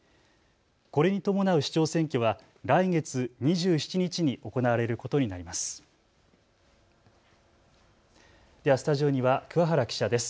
これに伴う市長選挙は来月２７日に行われることになります。